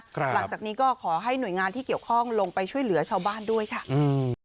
หลังจากนี้ก็ขอให้หน่วยงานที่เกี่ยวข้องลงไปช่วยเหลือชาวบ้านด้วยค่ะอืม